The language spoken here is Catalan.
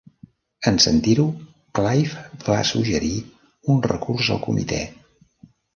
En sentir-ho, Clive va suggerir un recurs al Comitè.